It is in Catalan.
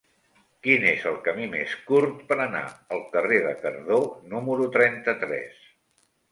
Quin és el camí més curt per anar al carrer de Cardó número trenta-tres?